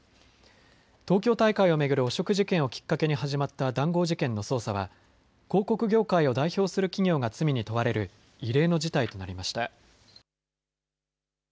東京大会を巡る汚職事件をきっかけに始まった談合事件の捜査は広告業界を代表する企業が罪に問われる異例の事態となりました。